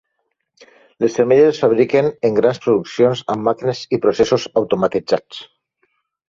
Les femelles es fabriquen en grans produccions amb màquines i processos automatitzats.